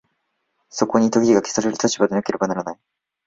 そこに時が消される立場がなければならない。